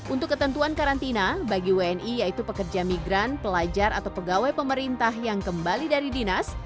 untuk ketentuan karantina bagi wni yaitu pekerja migran pelajar atau pegawai pemerintah yang kembali dari dinas